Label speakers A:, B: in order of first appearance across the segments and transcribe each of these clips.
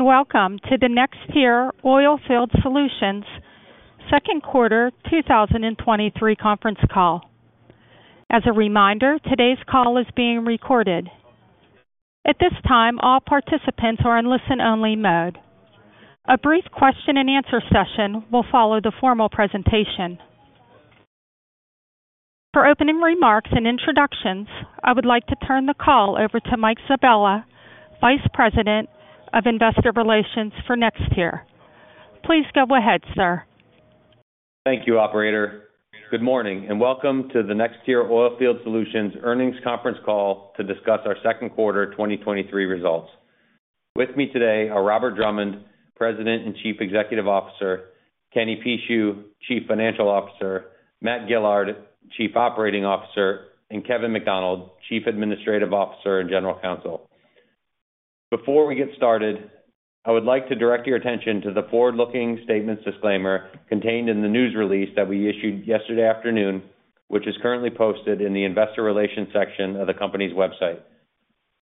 A: Welcome to the NexTier Oilfield Solutions second quarter 2023 conference call. As a reminder, today's call is being recorded. At this time, all participants are in listen-only mode. A brief question and answer session will follow the formal presentation. For opening remarks and introductions, I would like to turn the call over to Mike Sabella, Vice President of Investor Relations for NexTier. Please go ahead, sir.
B: Thank you, operator. Good morning, and welcome to the NexTier Oilfield Solutions earnings conference call to discuss our second quarter 2023 results. With me today are Robert Drummond, President and Chief Executive Officer, Kenny Pucheu, Chief Financial Officer, Matt Gillard, Chief Operating Officer, and Kevin McDonald, Chief Administrative Officer and General Counsel. Before we get started, I would like to direct your attention to the forward-looking statements disclaimer contained in the news release that we issued yesterday afternoon, which is currently posted in the investor relations section of the company's website.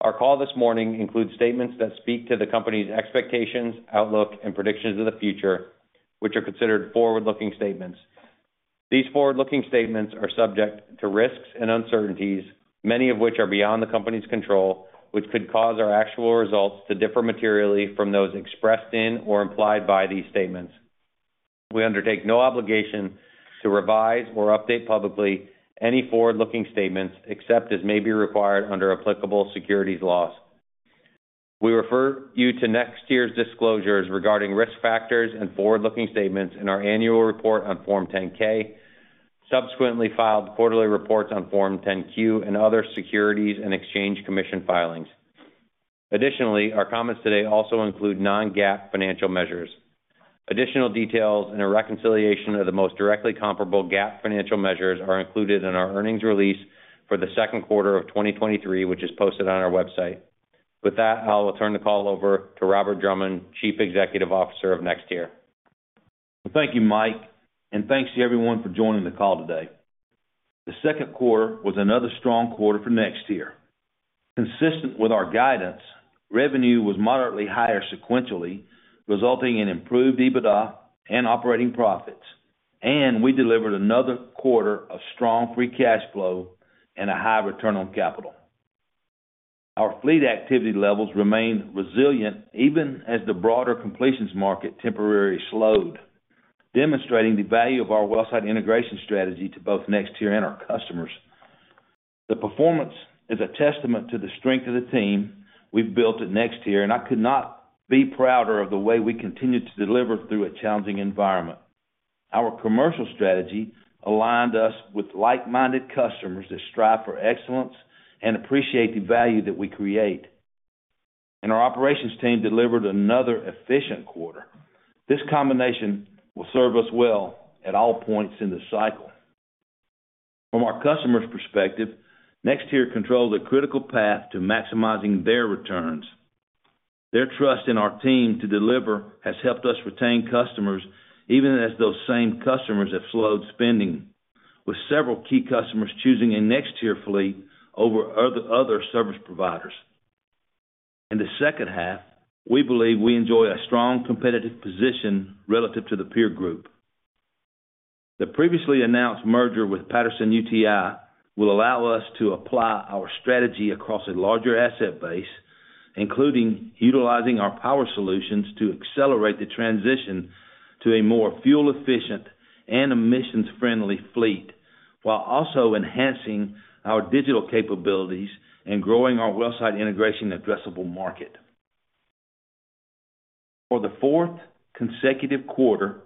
B: Our call this morning includes statements that speak to the company's expectations, outlook, and predictions of the future, which are considered forward-looking statements. These forward-looking statements are subject to risks and uncertainties, many of which are beyond the company's control, which could cause our actual results to differ materially from those expressed in or implied by these statements. We undertake no obligation to revise or update publicly any forward-looking statements, except as may be required under applicable securities laws. We refer you to NexTier's disclosures regarding risk factors and forward-looking statements in our annual report on Form 10-K, subsequently filed quarterly reports on Form 10-Q, and other Securities and Exchange Commission filings. Our comments today also include non-GAAP financial measures. Additional details and a reconciliation of the most directly comparable GAAP financial measures are included in our earnings release for the second quarter of 2023, which is posted on our website. I will turn the call over to Robert Drummond, Chief Executive Officer of NexTier.
C: Well, thank you, Mike Sabella, thanks to everyone for joining the call today. The second quarter was another strong quarter for NexTier. Consistent with our guidance, revenue was moderately higher sequentially, resulting in improved EBITDA and operating profits, and we delivered another quarter of strong free cash flow and a high return on capital. Our fleet activity levels remained resilient even as the broader completions market temporarily slowed, demonstrating the value of our wellsite integration strategy to both NexTier and our customers. The performance is a testament to the strength of the team we've built at NexTier, and I could not be prouder of the way we continued to deliver through a challenging environment. Our commercial strategy aligned us with like-minded customers that strive for excellence and appreciate the value that we create. Our operations team delivered another efficient quarter. This combination will serve us well at all points in the cycle. From our customers' perspective, NexTier controls a critical path to maximizing their returns. Their trust in our team to deliver has helped us retain customers, even as those same customers have slowed spending, with several key customers choosing a NexTier fleet over other service providers. In the second half, we believe we enjoy a strong competitive position relative to the peer group. The previously announced merger with Patterson-UTI will allow us to apply our strategy across a larger asset base, including utilizing our Power Solutions to accelerate the transition to a more fuel-efficient and emissions-friendly fleet, while also enhancing our digital capabilities and growing our wellsite integration addressable market. For the fourth consecutive quarter,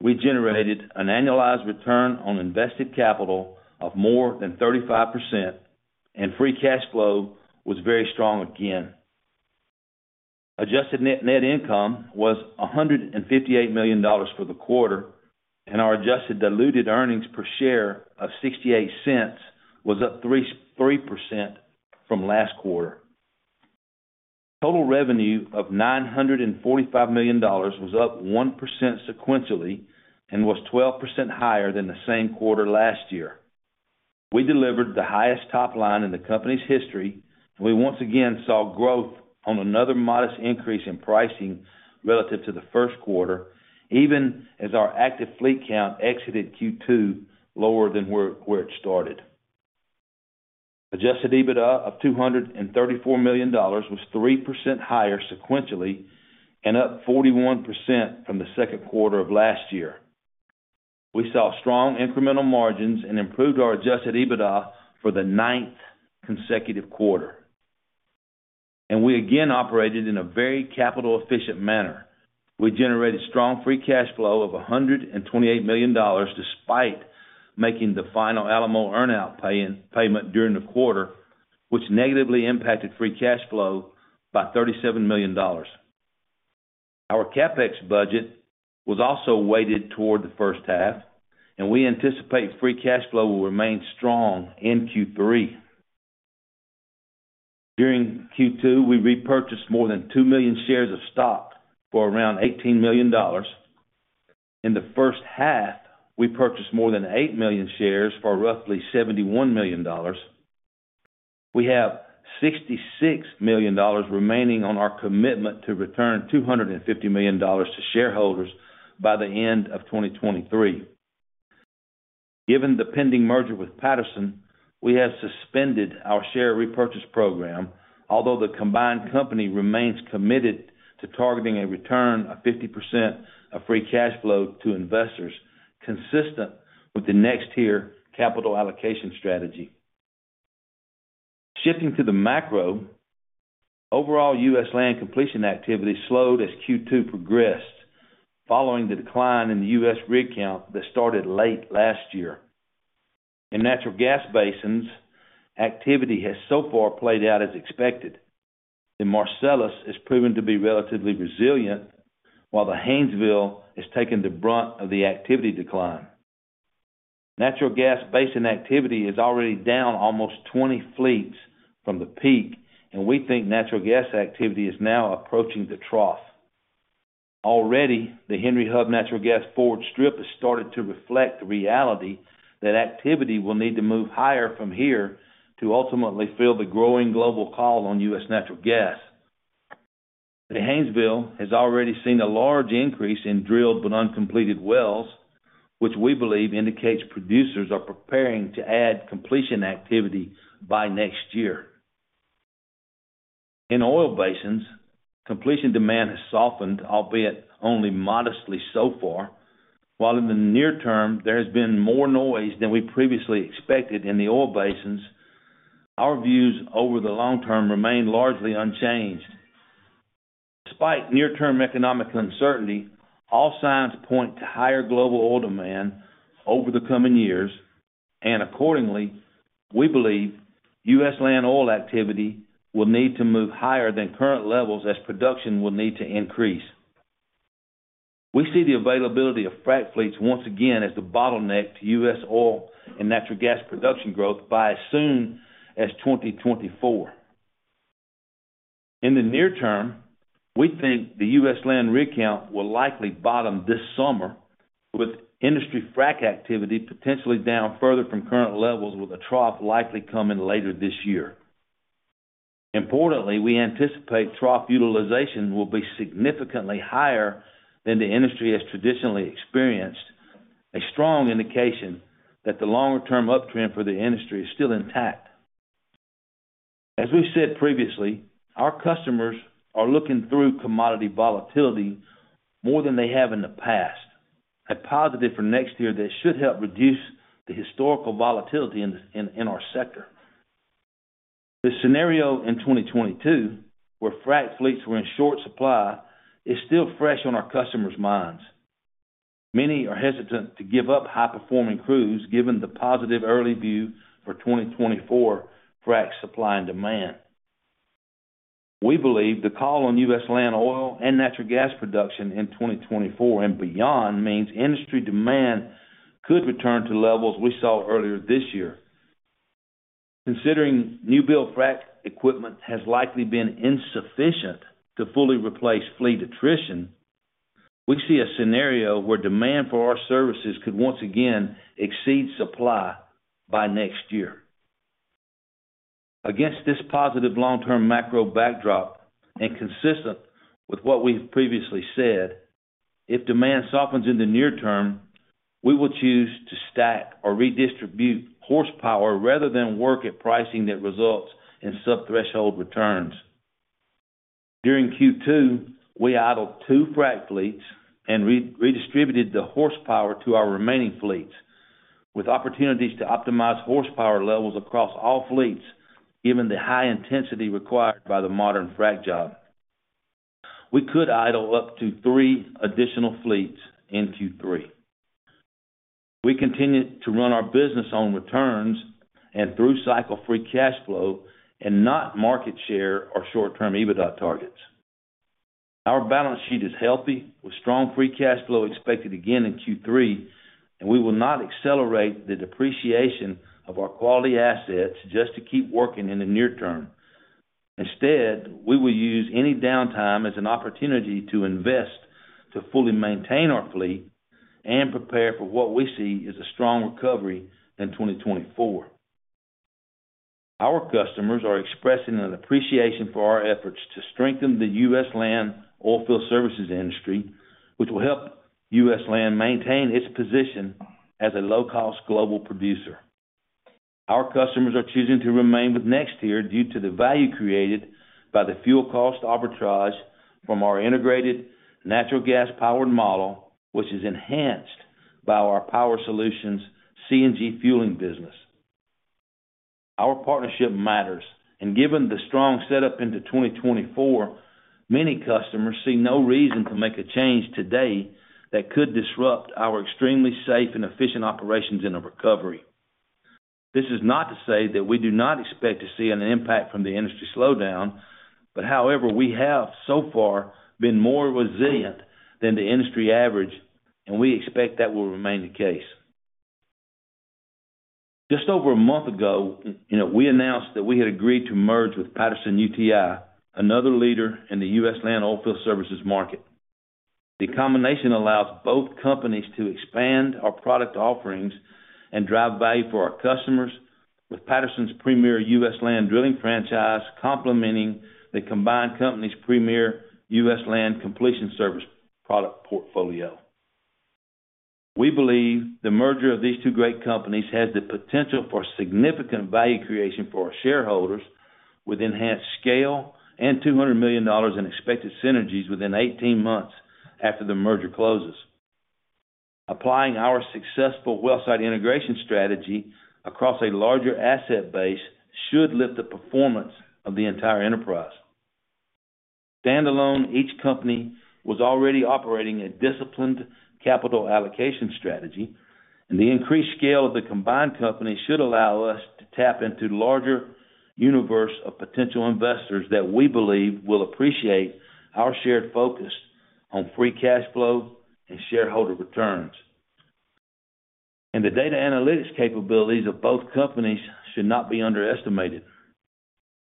C: we generated an annualized return on invested capital of more than 35%. Free cash flow was very strong again. Adjusted net income was $158 million for the quarter. Our adjusted diluted earnings per share of $0.68 was up 3% from last quarter. Total revenue of $945 million was up 1% sequentially and was 12% higher than the same quarter last year. We delivered the highest top line in the company's history. We once again saw growth on another modest increase in pricing relative to the first quarter, even as our active fleet count exited Q2 lower than where it started. Adjusted EBITDA of $234 million was 3% higher sequentially and up 41% from the second quarter of last year. We saw strong incremental margins and improved our adjusted EBITDA for the ninth consecutive quarter. We again operated in a very capital-efficient manner. We generated strong free cash flow of $128 million, despite making the final Alamo earnout payment during the quarter, which negatively impacted free cash flow by $37 million. Our CapEx budget was also weighted toward the first half. We anticipate free cash flow will remain strong in Q3. During Q2, we repurchased more than 2 million shares of stock for around $18 million. In the first half, we purchased more than 8 million shares for roughly $71 million. We have $66 million remaining on our commitment to return $250 million to shareholders by the end of 2023. Given the pending merger with Patterson, we have suspended our share repurchase program, although the combined company remains committed to targeting a return of 50% of free cash flow to investors, consistent with the NexTier capital allocation strategy. Shifting to the macro, overall U.S. land completion activity slowed as Q2 progressed, following the decline in the U.S. rig count that started late last year. In natural gas basins, activity has so far played out as expected. The Marcellus is proven to be relatively resilient, while the Haynesville has taken the brunt of the activity decline. Natural gas basin activity is already down almost 20 fleets from the peak, and we think natural gas activity is now approaching the trough. Already, the Henry Hub natural gas forward strip has started to reflect the reality that activity will need to move higher from here to ultimately fill the growing global call on U.S. natural gas. The Haynesville has already seen a large increase in drilled but uncompleted wells, which we believe indicates producers are preparing to add completion activity by next year. In oil basins, completion demand has softened, albeit only modestly so far, while in the near term, there has been more noise than we previously expected in the oil basins. Our views over the long term remain largely unchanged. Despite near-term economic uncertainty, all signs point to higher global oil demand over the coming years, and accordingly, we believe U.S. land oil activity will need to move higher than current levels as production will need to increase. We see the availability of frac fleets once again as the bottleneck to U.S. oil and natural gas production growth by as soon as 2024. In the near term, we think the U.S. land rig count will likely bottom this summer, with industry frac activity potentially down further from current levels, with a trough likely coming later this year. Importantly, we anticipate trough utilization will be significantly higher than the industry has traditionally experienced, a strong indication that the longer-term uptrend for the industry is still intact. As we've said previously, our customers are looking through commodity volatility more than they have in the past, a positive for NexTier that should help reduce the historical volatility in our sector. The scenario in 2022, where frac fleets were in short supply, is still fresh on our customers' minds. Many are hesitant to give up high-performing crews, given the positive early view for 2024 frac supply and demand. We believe the call on U.S. land, oil, and natural gas production in 2024 and beyond means industry demand could return to levels we saw earlier this year. Considering new build frac equipment has likely been insufficient to fully replace fleet attrition, we see a scenario where demand for our services could once again exceed supply by next year. Against this positive long-term macro backdrop, and consistent with what we've previously said, if demand softens in the near term, we will choose to stack or redistribute horsepower rather than work at pricing that results in sub-threshold returns. During Q2, we idled two frac fleets and redistributed the horsepower to our remaining fleets. With opportunities to optimize horsepower levels across all fleets, given the high intensity required by the modern frac job, we could idle up to three additional fleets in Q3. We continue to run our business on returns and through cycle-free cash flow and not market share or short-term EBITDA targets. Our balance sheet is healthy, with strong free cash flow expected again in Q3, and we will not accelerate the depreciation of our quality assets just to keep working in the near term. Instead, we will use any downtime as an opportunity to invest, to fully maintain our fleet, and prepare for what we see as a strong recovery in 2024. Our customers are expressing an appreciation for our efforts to strengthen the U.S. land oilfield services industry, which will help U.S. land maintain its position as a low-cost global producer. Our customers are choosing to remain with NexTier due to the value created by the fuel cost arbitrage from our integrated natural gas powered model, which is enhanced by our Power Solutions CNG fueling business. Our partnership matters, and given the strong setup into 2024, many customers see no reason to make a change today that could disrupt our extremely safe and efficient operations in a recovery. This is not to say that we do not expect to see an impact from the industry slowdown, but however, we have so far been more resilient than the industry average, and we expect that will remain the case. Just over a month ago, you know, we announced that we had agreed to merge with Patterson-UTI, another leader in the U.S. land oilfield services market. The combination allows both companies to expand our product offerings and drive value for our customers, with Patterson's premier U.S. land drilling franchise complementing the combined company's premier U.S. land completion service product portfolio. We believe the merger of these two great companies has the potential for significant value creation for our shareholders, with enhanced scale and $200 million in expected synergies within 18 months after the merger closes. Applying our successful wellsite integration strategy across a larger asset base should lift the performance of the entire enterprise. Standalone, each company was already operating a disciplined capital allocation strategy, and the increased scale of the combined company should allow us to tap into larger universe of potential investors that we believe will appreciate our shared focus on free cash flow and shareholder returns. The data analytics capabilities of both companies should not be underestimated.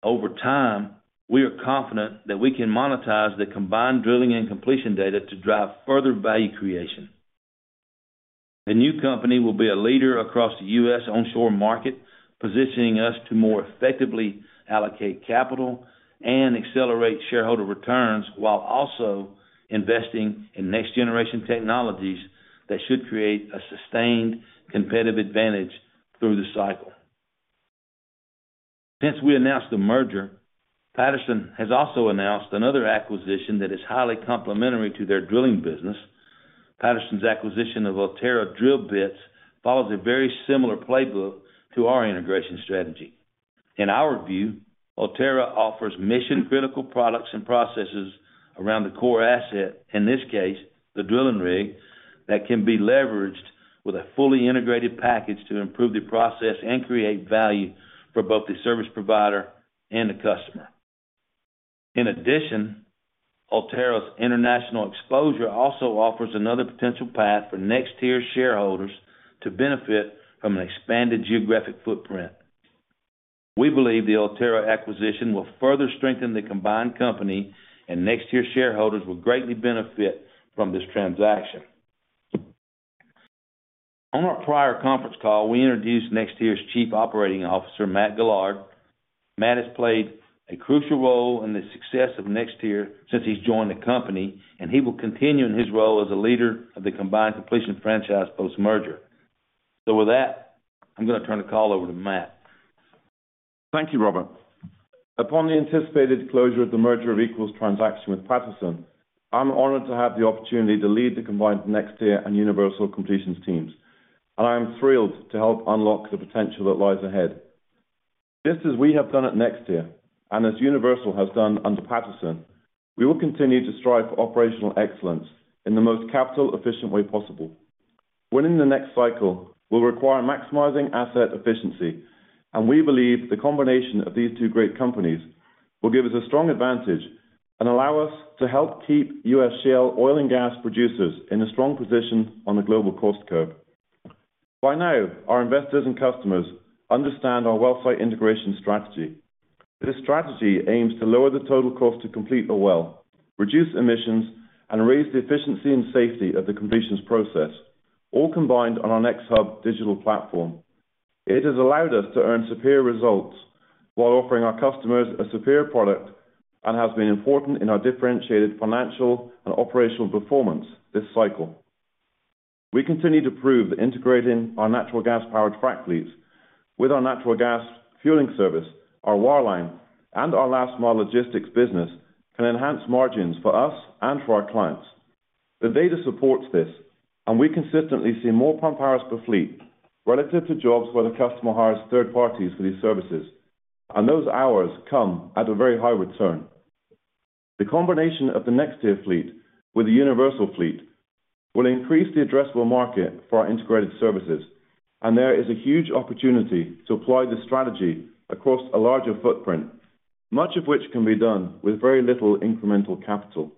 C: Over time, we are confident that we can monetize the combined drilling and completion data to drive further value creation. The new company will be a leader across the U.S. onshore market, positioning us to more effectively allocate capital and accelerate shareholder returns, while also investing in next-generation technologies that should create a sustained competitive advantage through the cycle. Since we announced the merger, Patterson has also announced another acquisition that is highly complementary to their drilling business. Patterson's acquisition of Ulterra Drilling Technologies follows a very similar playbook to our integration strategy. In our view, Ulterra offers mission-critical products and processes around the core asset, in this case, the drilling rig, that can be leveraged with a fully integrated package to improve the process and create value for both the service provider and the customer. In addition, Ulterra's international exposure also offers another potential path for NexTier shareholders to benefit from an expanded geographic footprint. We believe the Ulterra acquisition will further strengthen the combined company, and NexTier shareholders will greatly benefit from this transaction. On our prior conference call, we introduced NexTier's Chief Operating Officer, Matt Gillard. Matt has played a crucial role in the success of NexTier since he's joined the company, and he will continue in his role as a leader of the combined completion franchise post-merger. With that, I'm going to turn the call over to Matt.
D: Thank you, Robert. Upon the anticipated closure of the merger of equals transaction with Patterson, I'm honored to have the opportunity to lead the combined NexTier and Universal Completions teams, and I am thrilled to help unlock the potential that lies ahead. Just as we have done at NexTier, and as Universal has done under Patterson, we will continue to strive for operational excellence in the most capital-efficient way possible. Winning the next cycle will require maximizing asset efficiency, and we believe the combination of these two great companies will give us a strong advantage and allow us to help keep U.S. shale oil and gas producers in a strong position on the global cost curve. By now, our investors and customers understand our wellsite integration strategy. This strategy aims to lower the total cost to complete a well, reduce emissions, and raise the efficiency and safety of the completions process, all combined on our NexHub digital platform. It has allowed us to earn superior results while offering our customers a superior product and has been important in our differentiated financial and operational performance this cycle. We continue to prove that integrating our natural gas-powered frac fleets with our natural gas fueling service, our wireline, and our last mile logistics business, can enhance margins for us and for our clients. The data supports this. We consistently see more pump hours per fleet relative to jobs where the customer hires third parties for these services, and those hours come at a very high return. The combination of the NexTier fleet with the Universal fleet will increase the addressable market for our integrated services, there is a huge opportunity to apply this strategy across a larger footprint, much of which can be done with very little incremental capital.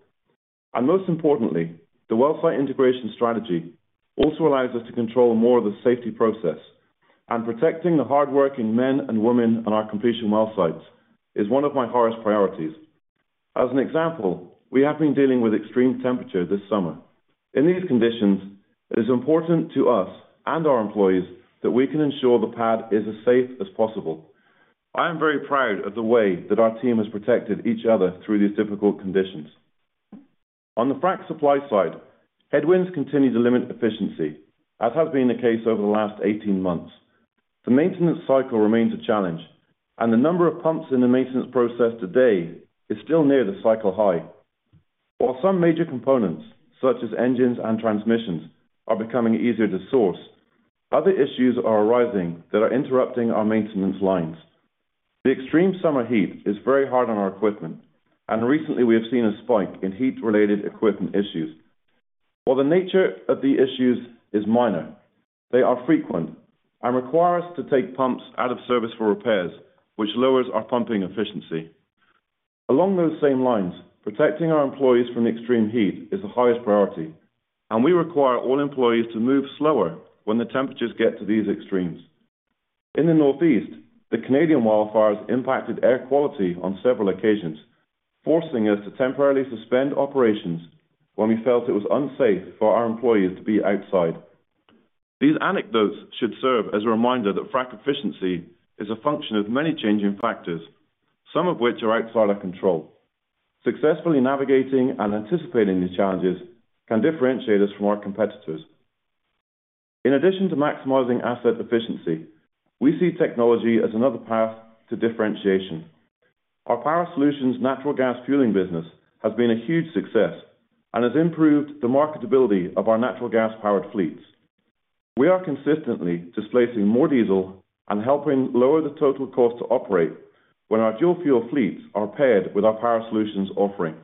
D: Most importantly, the wellsite integration strategy also allows us to control more of the safety process, and protecting the hardworking men and women on our completion well sites is one of my highest priorities. As an example, we have been dealing with extreme temperature this summer. In these conditions, it is important to us and our employees that we can ensure the pad is as safe as possible. I am very proud of the way that our team has protected each other through these difficult conditions. On the frac supply side, headwinds continue to limit efficiency, as has been the case over the last 18 months. The maintenance cycle remains a challenge, and the number of pumps in the maintenance process today is still near the cycle high. While some major components, such as engines and transmissions, are becoming easier to source, other issues are arising that are interrupting our maintenance lines. The extreme summer heat is very hard on our equipment, and recently we have seen a spike in heat-related equipment issues. While the nature of the issues is minor, they are frequent and require us to take pumps out of service for repairs, which lowers our pumping efficiency. Along those same lines, protecting our employees from the extreme heat is the highest priority, and we require all employees to move slower when the temperatures get to these extremes. In the Northeast, the Canadian wildfires impacted air quality on several occasions, forcing us to temporarily suspend operations when we felt it was unsafe for our employees to be outside. These anecdotes should serve as a reminder that frac efficiency is a function of many changing factors, some of which are outside our control. Successfully navigating and anticipating these challenges can differentiate us from our competitors. In addition to maximizing asset efficiency, we see technology as another path to differentiation. Our Power Solutions natural gas fueling business has been a huge success and has improved the marketability of our natural gas-powered fleets. We are consistently displacing more diesel and helping lower the total cost to operate when our dual-fuel fleets are paired with our Power Solutions offering.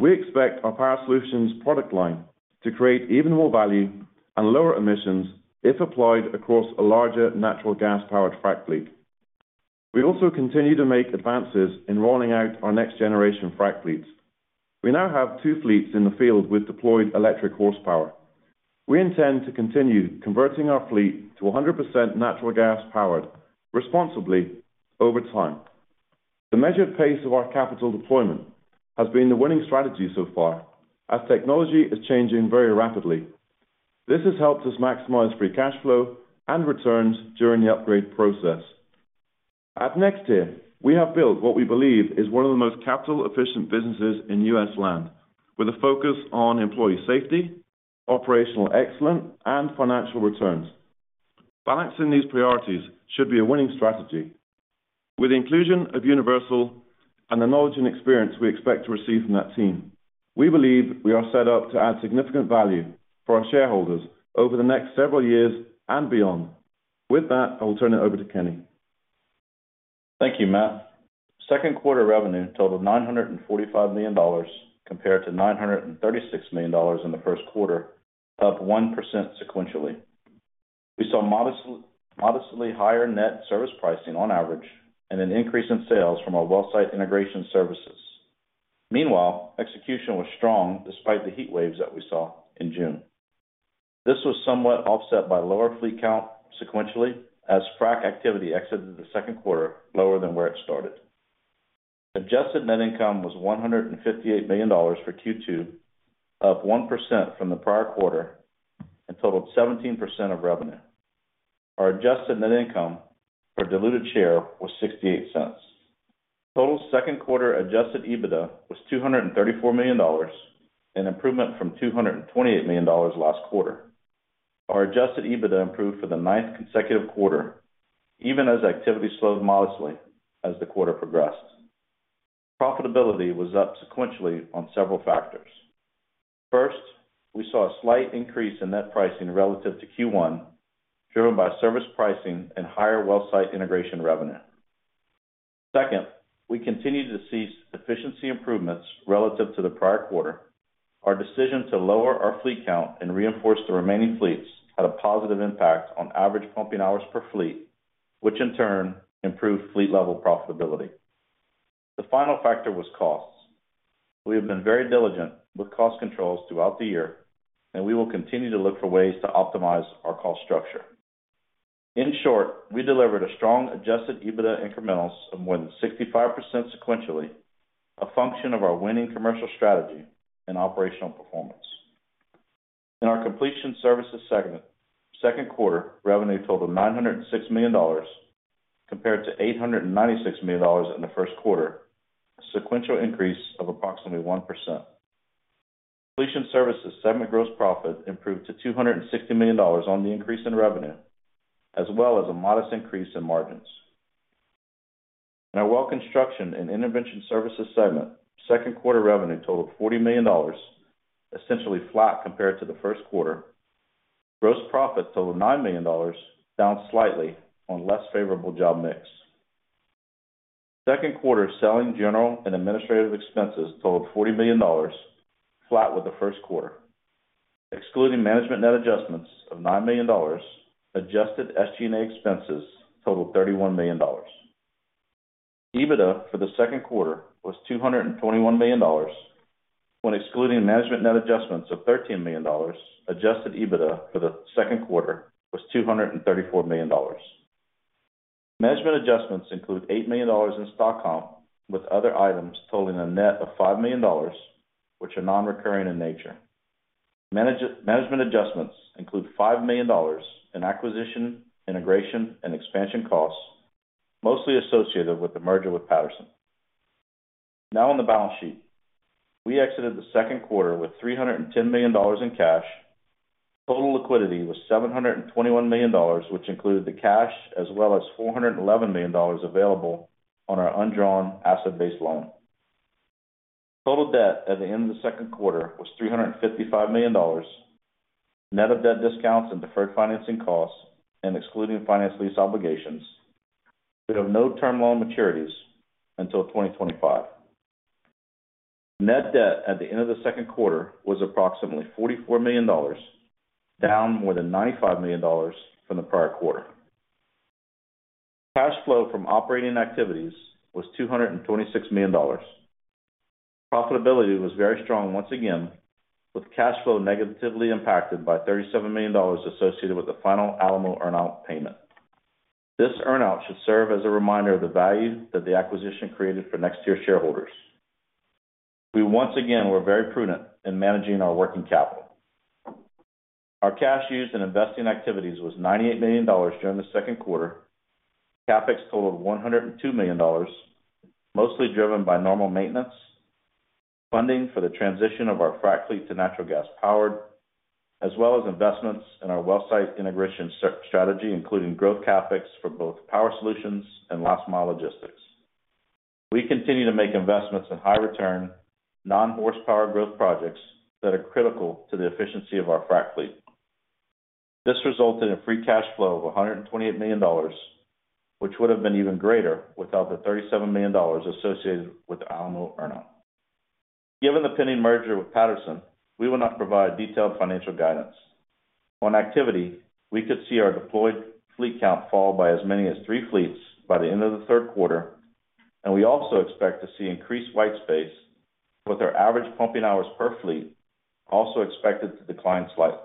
D: We expect our Power Solutions product line to create even more value and lower emissions if applied across a larger natural gas-powered frac fleet. We also continue to make advances in rolling out our next-generation frac fleets. We now have two fleets in the field with deployed electric horsepower. We intend to continue converting our fleet to 100% natural gas powered, responsibly, over time. The measured pace of our capital deployment has been the winning strategy so far as technology is changing very rapidly. This has helped us maximize free cash flow and returns during the upgrade process. At NexTier, we have built what we believe is one of the most capital-efficient businesses in U.S. land, with a focus on employee safety, operational excellence, and financial returns. Balancing these priorities should be a winning strategy. With the inclusion of Universal and the knowledge and experience we expect to receive from that team, we believe we are set up to add significant value for our shareholders over the next several years and beyond. With that, I'll turn it over to Kenny.
E: Thank you, Matt. Second quarter revenue totaled $945 million, compared to $936 million in the first quarter, up 1% sequentially. We saw modestly higher net service pricing on average, and an increase in sales from our wellsite integration services. Meanwhile, execution was strong despite the heat waves that we saw in June. This was somewhat offset by lower fleet count sequentially, as frac activity exited the second quarter lower than where it started. Adjusted net income was $158 million for Q2, up 1% from the prior quarter, and totaled 17% of revenue. Our adjusted net income for diluted share was $0.68. Total second quarter adjusted EBITDA was $234 million, an improvement from $228 million last quarter. Our adjusted EBITDA improved for the ninth consecutive quarter, even as activity slowed modestly as the quarter progressed. Profitability was up sequentially on several factors. First, we saw a slight increase in net pricing relative to Q1, driven by service pricing and higher wellsite integration revenue. Second, we continued to see efficiency improvements relative to the prior quarter. Our decision to lower our fleet count and reinforce the remaining fleets had a positive impact on average pumping hours per fleet, which in turn improved fleet-level profitability. The final factor was costs. We have been very diligent with cost controls throughout the year, and we will continue to look for ways to optimize our cost structure. In short, we delivered a strong adjusted EBITDA incrementals of more than 65% sequentially, a function of our winning commercial strategy and operational performance. In our Completion Services segment, second quarter revenue totaled $906 million, compared to $896 million in the first quarter, a sequential increase of approximately 1%. Completion Services segment gross profit improved to $260 million on the increase in revenue, as well as a modest increase in margins. In our Well Construction and Intervention Services segment, second quarter revenue totaled $40 million, essentially flat compared to the first quarter. Gross profit totaled $9 million, down slightly on less favorable job mix. Second quarter selling, general, and administrative expenses totaled $40 million, flat with the first quarter. Excluding management net adjustments of $9 million, adjusted SG&A expenses totaled $31 million. EBITDA for the second quarter was $221 million. When excluding management net adjustments of $13 million, adjusted EBITDA for the second quarter was $234 million. Management adjustments include $8 million in stock comp, with other items totaling a net of $5 million, which are non-recurring in nature. Management adjustments include $5 million in acquisition, integration, and expansion costs, mostly associated with the merger with Patterson. On the balance sheet. We exited the second quarter with $310 million in cash. Total liquidity was $721 million, which included the cash, as well as $411 million available on our undrawn asset-based loan. Total debt at the end of the second quarter was $355 million, net of debt discounts and deferred financing costs, and excluding finance lease obligations. We have no term loan maturities until 2025. Net debt at the end of the second quarter was approximately $44 million, down more than $95 million from the prior quarter. Cash flow from operating activities was $226 million. Profitability was very strong once again, with cash flow negatively impacted by $37 million associated with the final Alamo earn-out payment. This earn-out should serve as a reminder of the value that the acquisition created for NexTier shareholders. We once again were very prudent in managing our working capital. Our cash used in investing activities was $98 million during the second quarter. CapEx totaled $102 million, mostly driven by normal maintenance, funding for the transition of our frac fleet to natural gas-powered, as well as investments in our wellsite integration strategy, including growth CapEx for both Power Solutions and last mile logistics. We continue to make investments in high return, non-horsepower growth projects that are critical to the efficiency of our frac fleet. This resulted in free cash flow of $128 million, which would have been even greater without the $37 million associated with the Alamo earn-out. Given the pending merger with Patterson, we will not provide detailed financial guidance. On activity, we could see our deployed fleet count fall by as many as three fleets by the end of the third quarter. We also expect to see increased white space, with our average pumping hours per fleet also expected to decline slightly.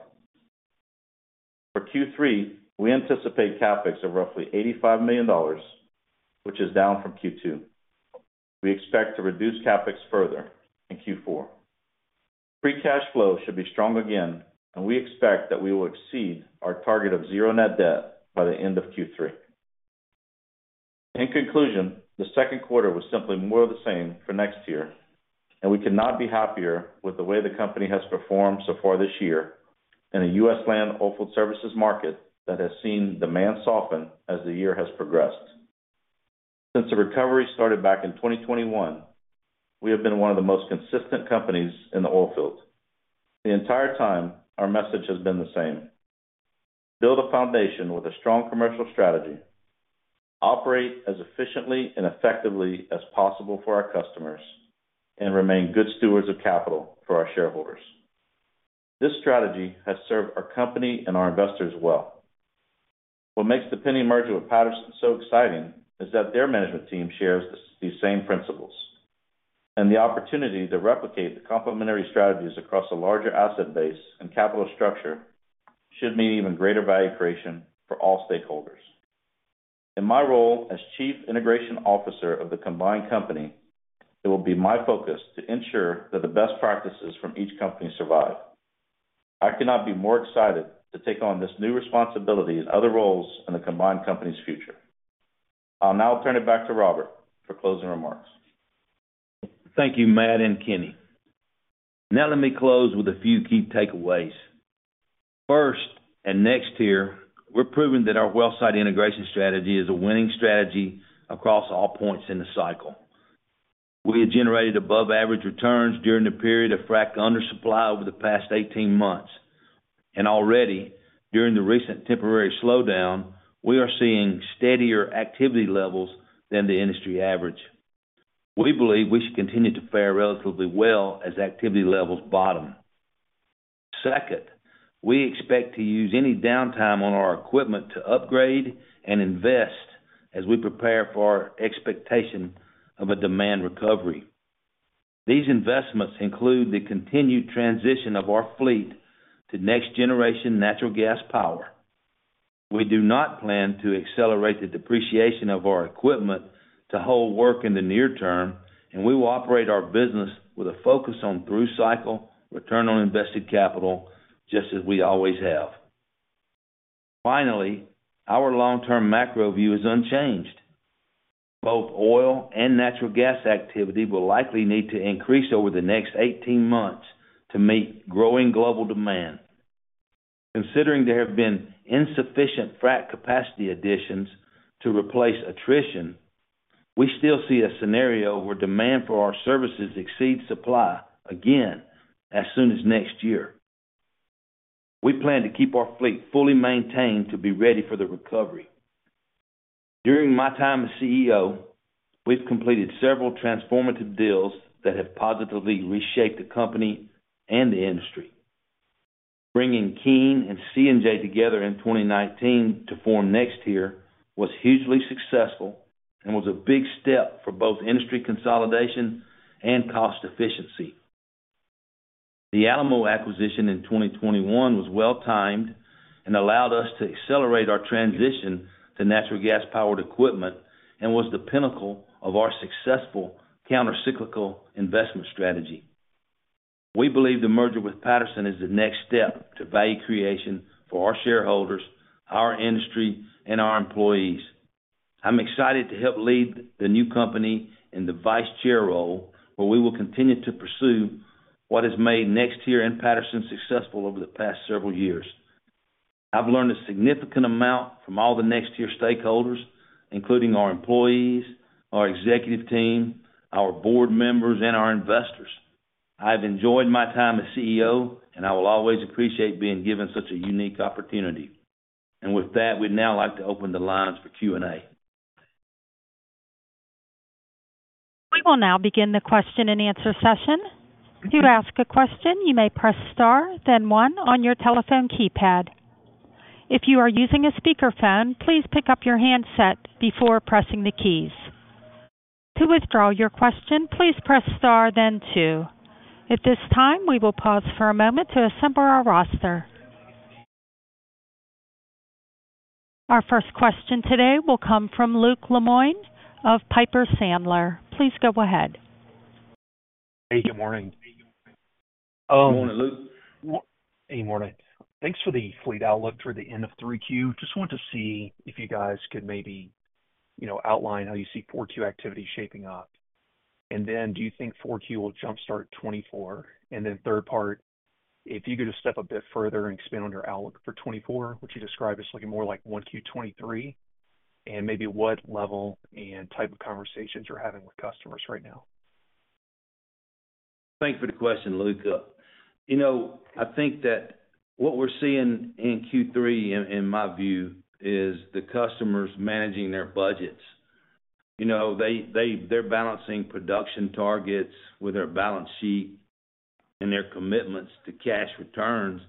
E: For Q3, we anticipate CapEx of roughly $85 million, which is down from Q2. We expect to reduce CapEx further in Q4. Free cash flow should be strong again. We expect that we will exceed our target of zero net debt by the end of Q3. In conclusion, the second quarter was simply more of the same for NexTier. We could not be happier with the way the company has performed so far this year in a U.S. land oilfield services market that has seen demand soften as the year has progressed. Since the recovery started back in 2021, we have been one of the most consistent companies in the oilfield. The entire time, our message has been the same: build a foundation with a strong commercial strategy, operate as efficiently and effectively as possible for our customers, and remain good stewards of capital for our shareholders. This strategy has served our company and our investors well. What makes the pending merger with Patterson-UTI so exciting is that their management team shares these same principles, and the opportunity to replicate the complementary strategies across a larger asset base and capital structure should mean even greater value creation for all stakeholders. In my role as Chief Integration Officer of the combined company, it will be my focus to ensure that the best practices from each company survive. I could not be more excited to take on this new responsibility and other roles in the combined company's future. I'll now turn it back to Robert for closing remarks.
C: Thank you, Matt and Kenny. Now, let me close with a few key takeaways. First, at NexTier, we're proving that our wellsite integration strategy is a winning strategy across all points in the cycle. We had generated above average returns during the period of frac undersupply over the past 18 months, and already, during the recent temporary slowdown, we are seeing steadier activity levels than the industry average. We believe we should continue to fare relatively well as activity levels bottom. Second, we expect to use any downtime on our equipment to upgrade and invest as we prepare for our expectation of a demand recovery. These investments include the continued transition of our fleet to next generation natural gas power. We do not plan to accelerate the depreciation of our equipment to hold work in the near term, and we will operate our business with a focus on through cycle return on invested capital, just as we always have. Finally, our long-term macro view is unchanged. Both oil and natural gas activity will likely need to increase over the next 18 months to meet growing global demand. Considering there have been insufficient frac capacity additions to replace attrition, we still see a scenario where demand for our services exceeds supply again as soon as next year. We plan to keep our fleet fully maintained to be ready for the recovery. During my time as CEO, we've completed several transformative deals that have positively reshaped the company and the industry. Bringing Keane and C&J together in 2019 to form NexTier was hugely successful and was a big step for both industry consolidation and cost efficiency. The Alamo acquisition in 2021 was well timed and allowed us to accelerate our transition to natural gas powered equipment, and was the pinnacle of our successful countercyclical investment strategy. We believe the merger with Patterson is the next step to value creation for our shareholders, our industry, and our employees. I'm excited to help lead the new company in the vice chair role, where we will continue to pursue what has made NexTier and Patterson successful over the past several years. I've learned a significant amount from all the NexTier stakeholders, including our employees, our executive team, our board members, and our investors. I've enjoyed my time as CEO, and I will always appreciate being given such a unique opportunity. With that, we'd now like to open the lines for Q&A.
A: We will now begin the question-and-answer session. To ask a question, you may press star, then one on your telephone keypad. If you are using a speakerphone, please pick up your handset before pressing the keys. To withdraw your question, please press star, then two. At this time, we will pause for a moment to assemble our roster. Our first question today will come from Luke Lemoine of Piper Sandler. Please go ahead.
F: Hey, good morning.
C: Good morning, Luke.
F: Hey, morning. Thanks for the fleet outlook toward the end of 3Q. Just wanted to see if you guys could maybe, you know, outline how you see 4Q activity shaping up. Do you think 4Q will jumpstart 2024? Third part, if you could just step a bit further and expand on your outlook for 2024, which you described as looking more like 1Q 2023, and maybe what level and type of conversations you're having with customers right now?
C: Thanks for the question, Luke. You know, I think that what we're seeing in Q3, in my view, is the customers managing their budgets. You know, they're balancing production targets with their balance sheet and their commitments to cash returns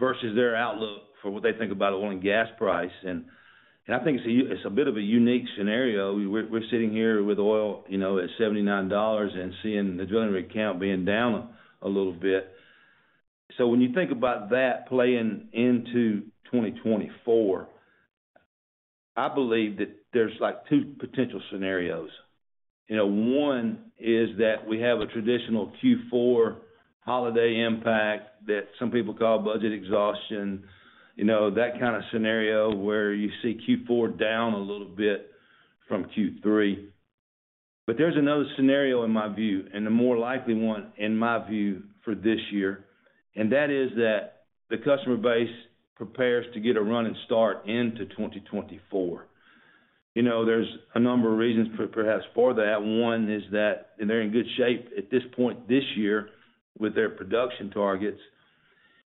C: versus their outlook for what they think about oil and gas price. I think it's a bit of a unique scenario. We're sitting here with oil, you know, at $79 and seeing the drilling rig count being down a little bit. When you think about that playing into 2024, I believe that there's, like, two potential scenarios. You know, one is that we have a traditional Q4 holiday impact that some people call budget exhaustion. You know, that kind of scenario where you see Q4 down a little bit from Q3. There's another scenario in my view, and a more likely one in my view, for this year, and that is that the customer base prepares to get a running start into 2024. You know, there's a number of reasons perhaps for that. One is that they're in good shape at this point this year with their production targets.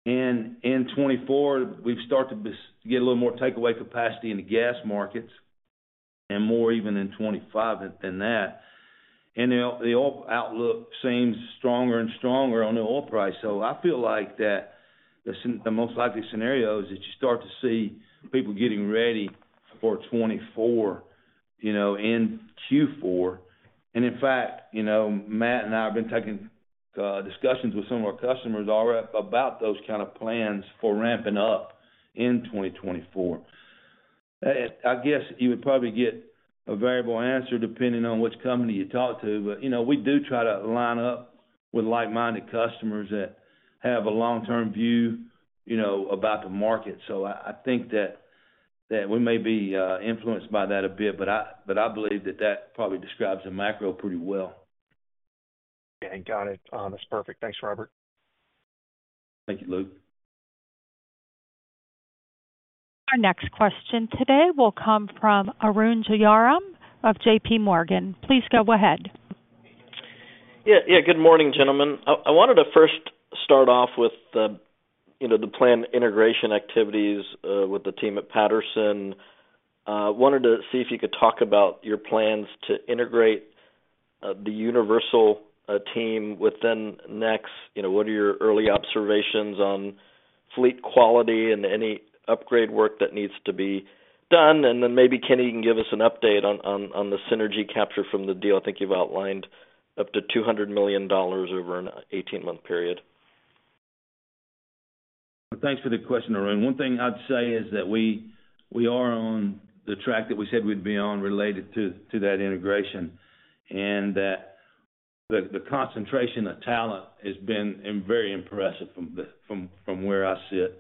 C: In 2024, we've started to get a little more takeaway capacity in the gas markets, and more even in 2025 than that. The oil outlook seems stronger and stronger on the oil price. I feel like that the most likely scenario is that you start to see people getting ready for 2024, you know, in Q4. In fact, you know, Matt and I have been taking discussions with some of our customers already about those kind of plans for ramping up in 2024. I guess you would probably get a variable answer depending on which company you talk to, but, you know, we do try to line up with like-minded customers that have a long-term view, you know, about the market. I think that we may be influenced by that a bit, but I believe that that probably describes the macro pretty well.
F: Okay, got it. That's perfect. Thanks, Robert.
C: Thank you, Luke.
A: Our next question today will come from Arun Jayaram of JPMorgan. Please go ahead.
G: Good morning, gentlemen. I wanted to first start off with the, you know, the planned integration activities with the team at Patterson-UTI. Wanted to see if you could talk about your plans to integrate the Universal team within NexTier. You know, what are your early observations on fleet quality and any upgrade work that needs to be done? Maybe, Kenny, you can give us an update on the synergy capture from the deal. I think you've outlined up to $200 million over an 18-month period.
C: Thanks for the question, Arun. One thing I'd say is that we are on the track that we said we'd be on, related to that integration, and that the concentration of talent has been very impressive from where I sit.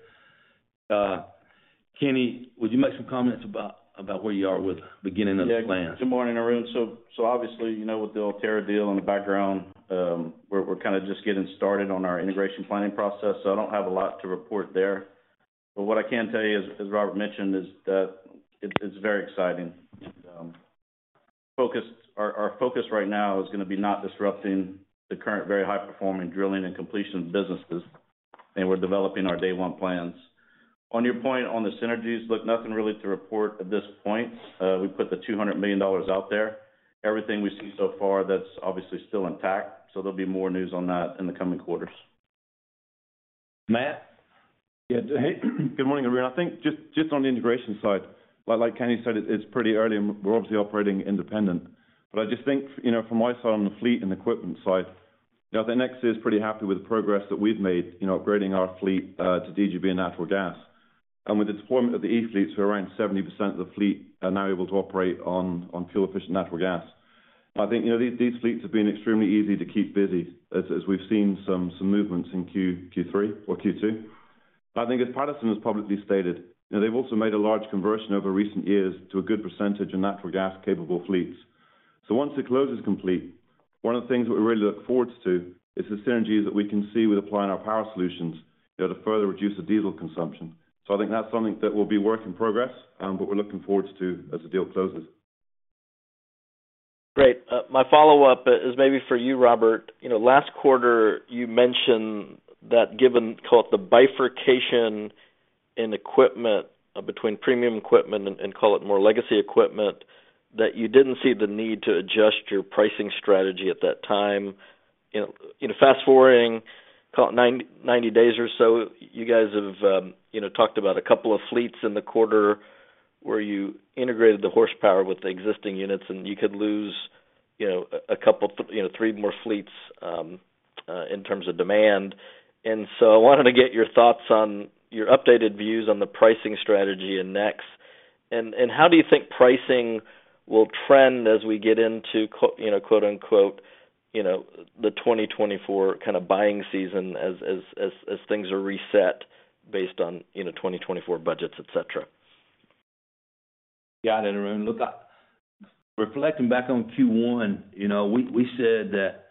C: Kenny, would you make some comments about where you are with the beginning of the plan?
E: Good morning, Arun. Obviously, you know, with the Ulterra deal in the background, we're kind of just getting started on our integration planning process. I don't have a lot to report there. What I can tell you is, as Robert mentioned, is that it's very exciting. Our focus right now is gonna be not disrupting the current, very high-performing drilling and completion businesses, we're developing our day one plans. On your point on the synergies, look, nothing really to report at this point. We put the $200 million out there. Everything we see so far, that's obviously still intact, there'll be more news on that in the coming quarters.
C: Matt?
D: Yeah. Hey, good morning, Arun. I think just on the integration side, like Kenny said, it's pretty early and we're obviously operating independent. I just think, you know, from my side on the fleet and equipment side, you know, that NexTier is pretty happy with the progress that we've made in upgrading our fleet to DGB and natural gas. And with the deployment of the e-fleets, we're around 70% of the fleet are now able to operate on pure efficient natural gas. I think, you know, these fleets have been extremely easy to keep busy, as we've seen some movements in Q3 or Q2. I think as Patterson has publicly stated, you know, they've also made a large conversion over recent years to a good percentage of natural gas-capable fleets. Once the close is complete, one of the things that we really look forward to is the synergies that we can see with applying our Power Solutions, you know, to further reduce the diesel consumption. I think that's something that will be work in progress, but we're looking forward to as the deal closes.
G: Great. My follow-up is maybe for you, Robert. You know, last quarter, you mentioned that given, call it the bifurcation in equipment between premium equipment and call it more legacy equipment, that you didn't see the need to adjust your pricing strategy at that time. You know, fast-forwarding, call it 90 days or so, you guys have, you know, talked about a couple of fleets in the quarter where you integrated the horsepower with the existing units, and you could lose, you know, a couple, you know, 3 more fleets in terms of demand. I wanted to get your thoughts on your updated views on the pricing strategy in NexTier. How do you think pricing will trend as we get into you know, quote-unquote, you know, the 2024 kind of buying season as things are reset based on, you know, 2024 budgets, et cetera?
C: Got it, Arun. Look, reflecting back on Q1, you know, we said that,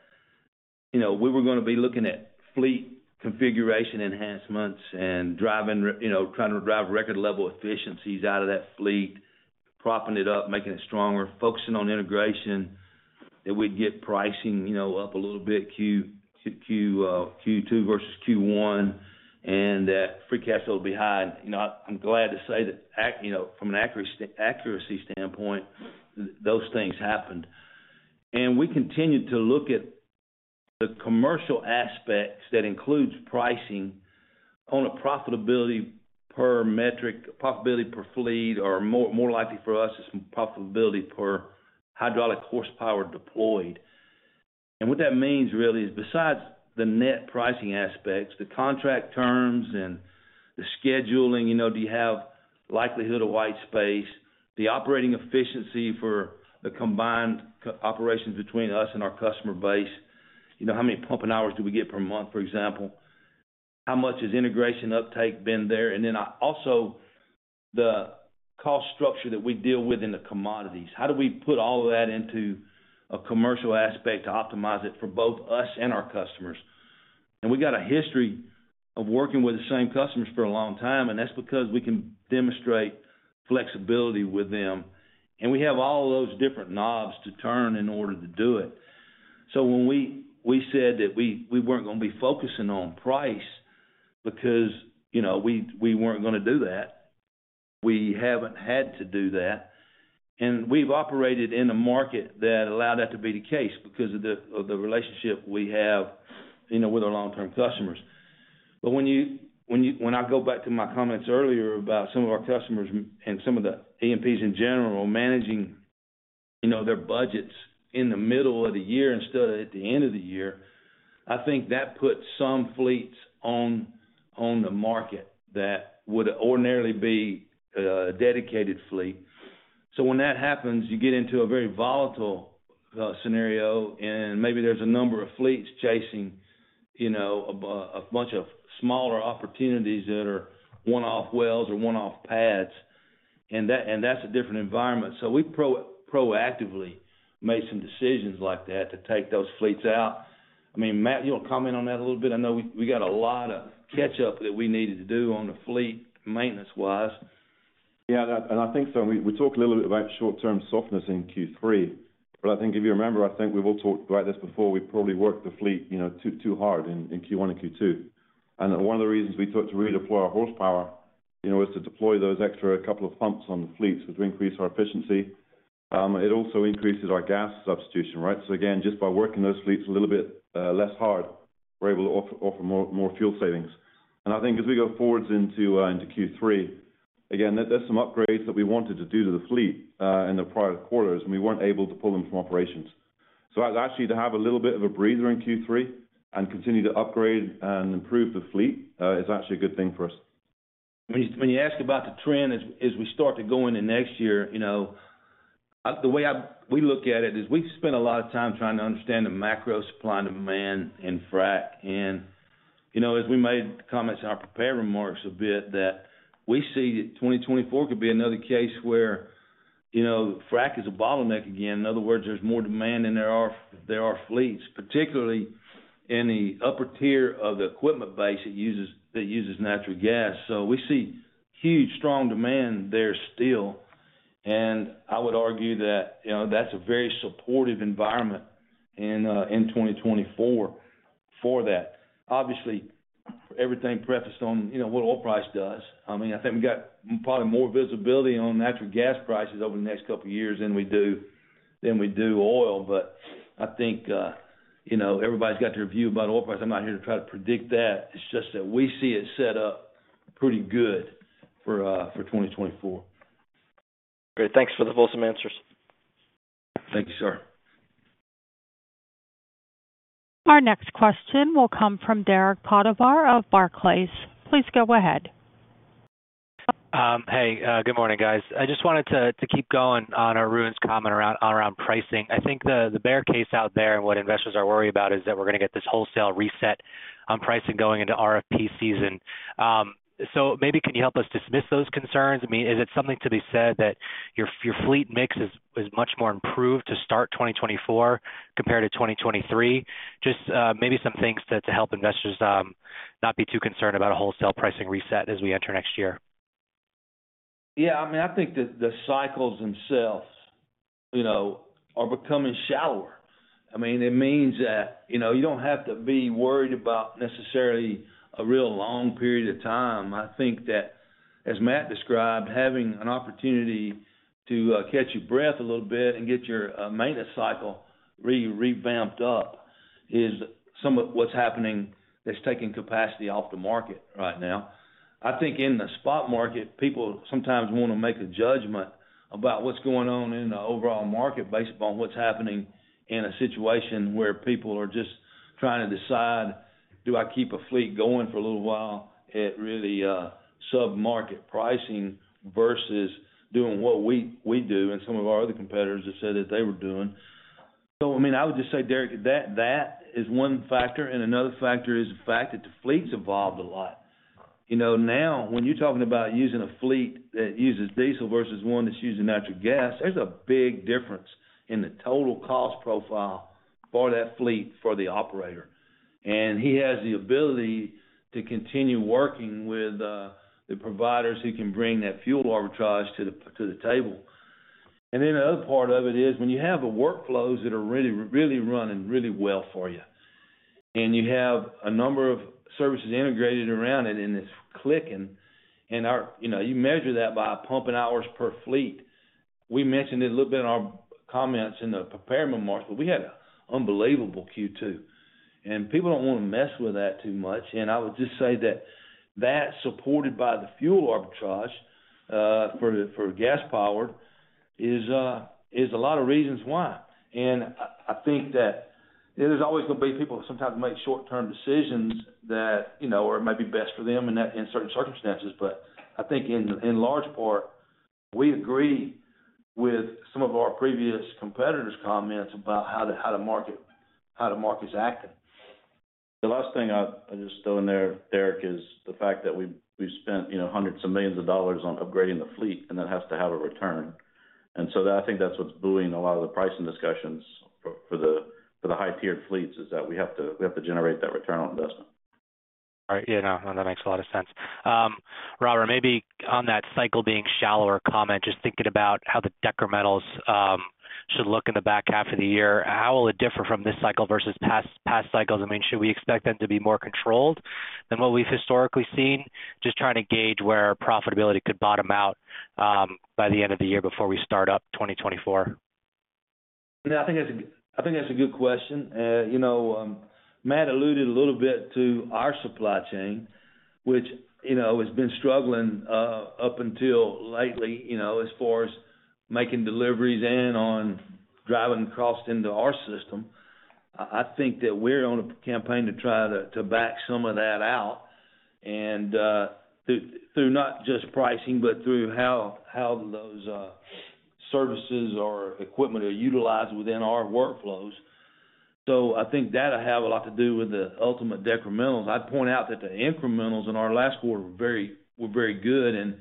C: you know, we were gonna be looking at fleet configuration enhancements and driving, you know, trying to drive record level efficiencies out of that fleet, propping it up, making it stronger, focusing on integration, that we'd get pricing, you know, up a little bit, Q2 versus Q1, and that free cash flow behind. You know, I'm glad to say that, you know, from an accuracy standpoint, those things happened. We continued to look at the commercial aspects that includes pricing on a profitability per metric, profitability per fleet, or more likely for us, it's profitability per hydraulic horsepower deployed. What that means really is, besides the net pricing aspects, the contract terms and the scheduling, you know, do you have likelihood of white space, the operating efficiency for the combined co- operations between us and our customer base? You know, how many pumping hours do we get per month, for example? How much has integration uptake been there? Also, the cost structure that we deal with in the commodities. How do we put all of that into a commercial aspect to optimize it for both us and our customers? We got a history of working with the same customers for a long time, and that's because we can demonstrate flexibility with them, and we have all those different knobs to turn in order to do it. When we said that we weren't gonna be focusing on price because, you know, we weren't gonna do that. We haven't had to do that, and we've operated in a market that allowed that to be the case because of the relationship we have, you know, with our long-term customers. When I go back to my comments earlier about some of our customers and some of the E&Ps in general, managing, you know, their budgets in the middle of the year instead of at the end of the year, I think that puts some fleets on the market that would ordinarily be a dedicated fleet. When that happens, you get into a very volatile scenario, and maybe there's a number of fleets chasing, you know, a bunch of smaller opportunities that are one-off wells or one-off pads, and that's a different environment. We proactively made some decisions like that to take those fleets out. I mean, Matt, you want to comment on that a little bit? I know we got a lot of catch up that we needed to do on the fleet, maintenance-wise.
D: That I think so. We talked a little bit about short-term softness in Q3, but I think if you remember, I think we've all talked about this before, we probably worked the fleet, you know, too hard in Q1 and Q2. One of the reasons we took to redeploy our horsepower, you know, is to deploy those extra couple of pumps on the fleets, which increase our efficiency. It also increases our gas substitution, right? Again, just by working those fleets a little bit less hard, we're able to offer more fuel savings. I think as we go forwards into Q3, again, there's some upgrades that we wanted to do to the fleet in the prior quarters, and we weren't able to pull them from operations. Actually, to have a little bit of a breather in Q3 and continue to upgrade and improve the fleet, is actually a good thing for us.
C: When you ask about the trend as we start to go into next year, you know, the way we look at it is we spent a lot of time trying to understand the macro supply and demand in frac. You know, as we made comments in our prepared remarks a bit, that we see that 2024 could be another case where, you know, frac is a bottleneck again. In other words, there's more demand than there are fleets, particularly in the upper tier of the equipment base that uses natural gas. We see huge, strong demand there still, and I would argue that, you know, that's a very supportive environment in 2024 for that. Obviously, everything prefaced on, you know, what oil price does. I mean, I think we got probably more visibility on natural gas prices over the next couple of years than we do, than we do oil. I think, you know, everybody's got their view about oil prices. I'm not here to try to predict that. It's just that we see it set up pretty good for 2024.
G: Great. Thanks for the wholesome answers.
C: Thank you, sir.
A: Our next question will come from Derek Podhaizer of Barclays. Please go ahead.
H: Hey, good morning, guys. I just wanted to keep going on Arun's comment around pricing. I think the bear case out there and what investors are worried about, is that we're gonna get this wholesale reset on pricing going into RFP season. Maybe can you help us dismiss those concerns? I mean, is it something to be said that your fleet mix is much more improved to start 2024 compared to 2023? Just maybe some things to help investors not be too concerned about a wholesale pricing reset as we enter next year.
C: Yeah, I mean, I think the cycles themselves, you know, are becoming shallower. I mean, it means that, you know, you don't have to be worried about necessarily a real long period of time. I think that, as Matt described, having an opportunity to catch your breath a little bit and get your maintenance cycle revamped up is some of what's happening that's taking capacity off the market right now. I think in the spot market, people sometimes want to make a judgment about what's going on in the overall market based upon what's happening in a situation where people are just trying to decide, do I keep a fleet going for a little while at really sub-market pricing versus doing what we do and some of our other competitors have said that they were doing? I mean, I would just say, Derek, that is one factor, and another factor is the fact that the fleet's evolved a lot. You know, now, when you're talking about using a fleet that uses diesel versus one that's using natural gas, there's a big difference in the total cost profile for that fleet, for the operator. He has the ability to continue working with the providers who can bring that fuel arbitrage to the table. The other part of it is, when you have the workflows that are really running really well for you, and you have a number of services integrated around it, and it's clicking, you know, you measure that by pumping hours per fleet. We mentioned it a little bit in our comments in the prepared remarks. We had an unbelievable Q2. People don't want to mess with that too much. I would just say that that, supported by the fuel arbitrage, for the, for gas powered, is a lot of reasons why. I think that there's always going to be people who sometimes make short-term decisions that, you know, or it might be best for them in certain circumstances. I think in large part, we agree with some of our previous competitors' comments about how the market is acting.
E: The last thing I'll just throw in there, Derek, is the fact that we've spent, you know, hundreds of millions of dollars on upgrading the fleet, and that has to have a return. I think that's what's buoying a lot of the pricing discussions for the high-tiered fleets, is that we have to generate that return on investment.
H: All right. Yeah, no, that makes a lot of sense. Robert, maybe on that cycle being shallower comment, just thinking about how the decrementals should look in the back half of the year. How will it differ from this cycle versus past cycles? I mean, should we expect them to be more controlled than what we've historically seen? Just trying to gauge where profitability could bottom out by the end of the year before we start up 2024.
C: I think that's a good question. you know, Matt Gillard alluded a little bit to our supply chain, which, you know, has been struggling up until lately, you know, as far as making deliveries and on driving costs into our system. I think that we're on a campaign to try to back some of that out, through not just pricing, but through how those services or equipment are utilized within our workflows. I think that'll have a lot to do with the ultimate decrementals. I'd point out that the incrementals in our last quarter were very good, and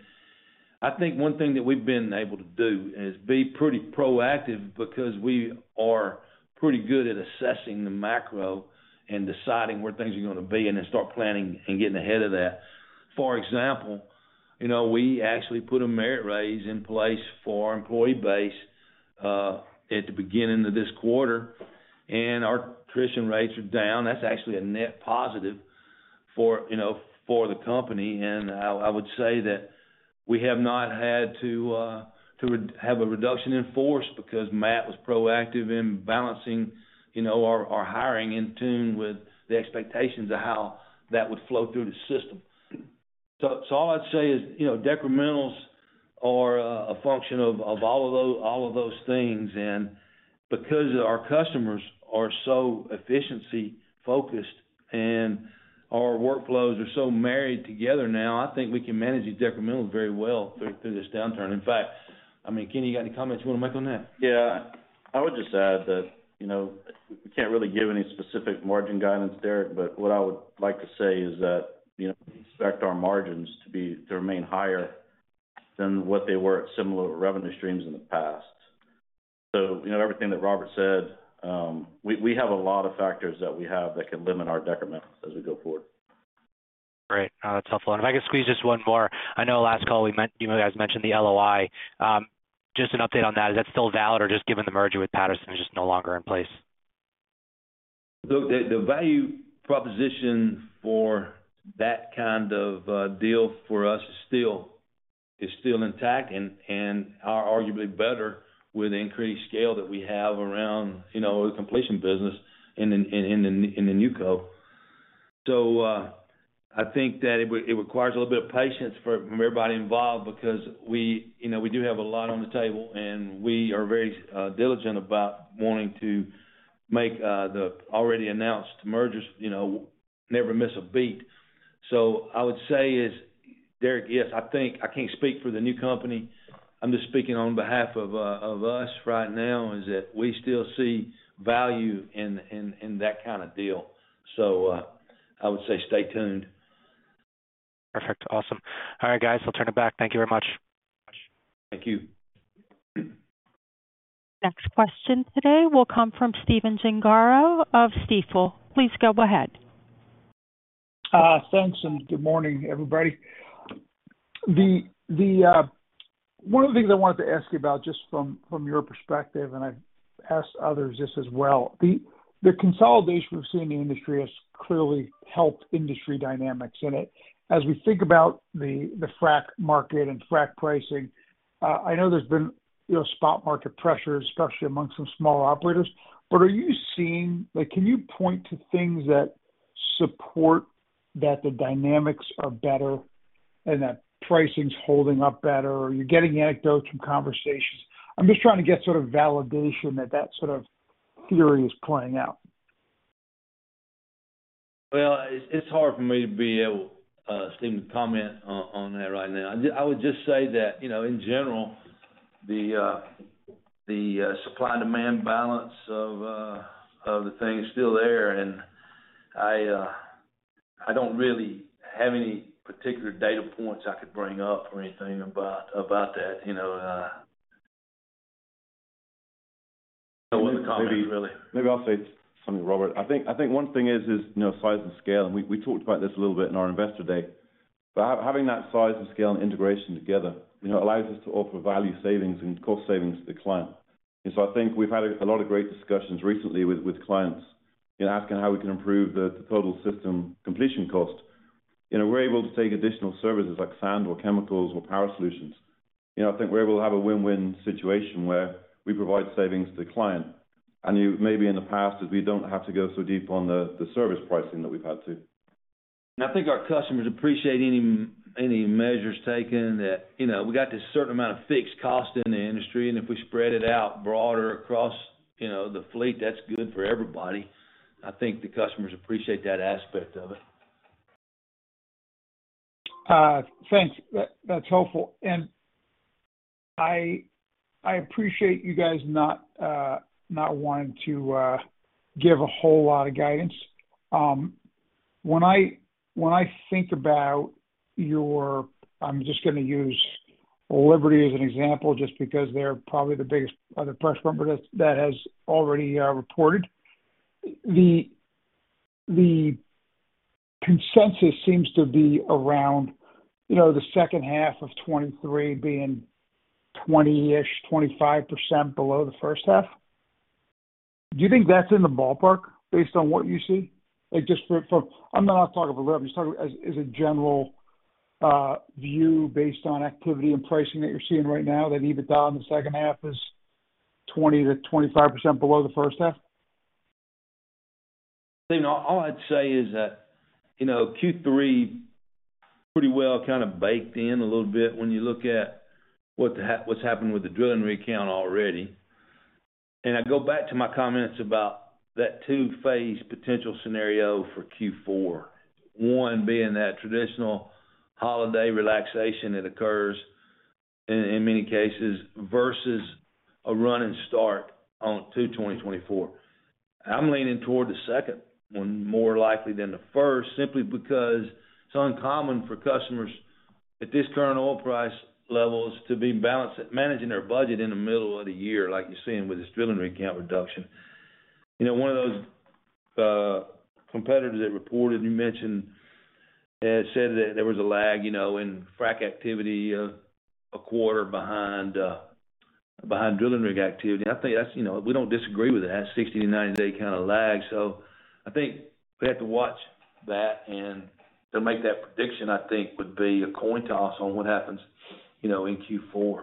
C: I think one thing that we've been able to do is be pretty proactive because we are pretty good at assessing the macro and deciding where things are going to be, and then start planning and getting ahead of that. For example, you know, we actually put a merit raise in place for our employee base at the beginning of this quarter, and our attrition rates are down. That's actually a net positive for, you know, for the company. I would say that we have not had to have a reduction in force because Matt was proactive in balancing, you know, our hiring in tune with the expectations of how that would flow through the system. So all I'd say is, you know, decrementals are a function of all of those things. Because our customers are so efficiency-focused and our workflows are so married together now, I think we can manage the decrementals very well through this downturn. In fact, I mean, Kenny, you got any comments you want to make on that?
E: Yeah. I would just add that, you know, we can't really give any specific margin guidance, Derek, but what I would like to say is that, you know, we expect our margins to remain higher than what they were at similar revenue streams in the past. You know, everything that Robert said, we have a lot of factors that we have that can limit our decrementals as we go forward.
H: Great. That's helpful. If I could squeeze just one more. I know last call, we you guys mentioned the LOI. Just an update on that, is that still valid, or just given the merger with Patterson-UTI, is just no longer in place?
C: Look, the value proposition for that kind of deal for us is still intact and are arguably better with increased scale that we have around, you know, the completion business in the NewCo. I think that it requires a little bit of patience for everybody involved because we, you know, we do have a lot on the table, and we are very diligent about wanting to make the already announced mergers, you know, never miss a beat. I would say is, Derek, yes, I think. I can't speak for the new company. I'm just speaking on behalf of us right now, is that we still see value in that kind of deal. I would say stay tuned.
H: Perfect. Awesome. All right, guys, I'll turn it back. Thank you very much.
E: Thank you.
A: Next question today will come from Stephen Gengaro of Stifel. Please go ahead.
I: Thanks, and good morning, everybody. The one of the things I wanted to ask you about, just from your perspective, and I've asked others this as well. The consolidation we've seen in the industry has clearly helped industry dynamics. As we think about the frac market and frac pricing, I know there's been, you know, spot market pressure, especially among some smaller operators, but are you seeing, like, can you point to things that support that the dynamics are better and that pricing's holding up better, or you're getting anecdotes from conversations? I'm just trying to get sort of validation that that sort of theory is playing out.
C: Well, it's hard for me to be able, Steve, to comment on that right now. I would just say that, you know, in general, the supply-demand balance of the thing is still there, and I don't really have any particular data points I could bring up or anything about that, you know.
D: Maybe I'll say something, Robert. I think one thing is, you know, size and scale, and we talked about this a little bit in our investor day. Having that size and scale and integration together, you know, allows us to offer value savings and cost savings to the client. I think we've had a lot of great discussions recently with clients, you know, asking how we can improve the total system completion cost. You know, we're able to take additional services like sand or chemicals or Power Solutions. You know, I think we're able to have a win-win situation where we provide savings to the client. Maybe in the past, is we don't have to go so deep on the service pricing that we've had to.
C: I think our customers appreciate any measures taken that, you know, we got this certain amount of fixed cost in the industry, and if we spread it out broader across, you know, the fleet, that's good for everybody. I think the customers appreciate that aspect of it.
I: Thanks. That's helpful. I appreciate you guys not wanting to give a whole lot of guidance. When I think about your... I'm just gonna use Liberty as an example, just because they're probably the biggest other press member that has already reported. The consensus seems to be around, you know, the second half of 2023 being 20% ish, 25% below the first half. Do you think that's in the ballpark based on what you see? Just for I'm not talking about Liberty. I'm just talking about as a general view based on activity and pricing that you're seeing right now, that EBITDA in the second half is 20%-25% below the first half?
C: You know, all I'd say is that, you know, Q3 pretty well kind of baked in a little bit when you look at what's happened with the drilling rig count already. I go back to my comments about that two-phase potential scenario for Q4, one being that traditional holiday relaxation that occurs in many cases, versus a running start on to 2024. I'm leaning toward the second one more likely than the first, simply because it's uncommon for customers at this current oil price levels to be balanced, managing their budget in the middle of the year, like you're seeing with this drilling rig count reduction. You know, one of those competitors that reported, you mentioned, said that there was a lag, you know, in frack activity of a quarter behind behind drilling rig activity. I think that's, you know, we don't disagree with that, 60 to 90 day kinda lag. I think we have to watch that, and to make that prediction, I think, would be a coin toss on what happens, you know, in Q4.